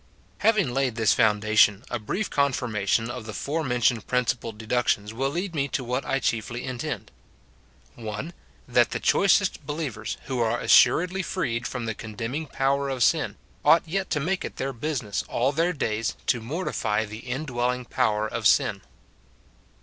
Having laid this foundation, a brief confirmation of the fore mentioned principal deductions will lead me to "wliat I chiefly intend, — 1. That the choicest believers, who are assuredly freed from the condemning power of sin, ought yet to make it their business all their days to mortify the indwelling power of sin.